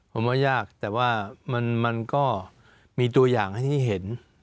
ผมว่ายากแต่ว่ามันก็มีตัวอย่างให้ที่เห็น